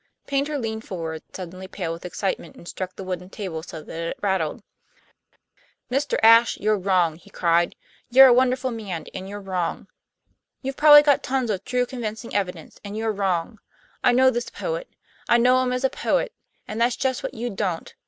Paynter leaned forward, suddenly pale with excitement, and struck the wooden table so that it rattled. "Mr. Ashe, you're wrong," he cried. "You're a wonderful man and you're wrong. You've probably got tons of true convincing evidence, and you're wrong. I know this poet; I know him as a poet; and that's just what you don't.